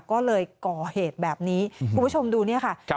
ก็เลยก่อเหตุแบบนี้คุณผู้ชมดูเนี่ยค่ะ